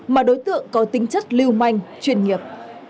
mà đối tượng có tính chất lưu manh chuyên nghiệp